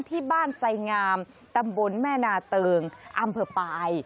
ที่บ้านไสงามตำบลแม่นาเติงอำเภอปลาย